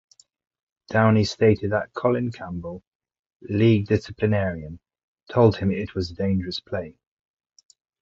Downie stated that Colin Campbell, League disciplinarian, told him it was a dangerous play.